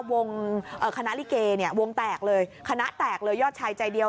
คณะลิเกเนี่ยวงแตกเลยคณะแตกเลยยอดชายใจเดียว